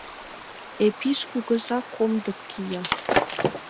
Епиш кугыза комдык кия...